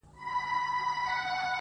زاړه به ځي نوي نسلونه راځي!